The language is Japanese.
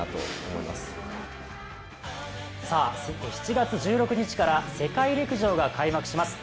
７月１６日から世界陸上が開幕します。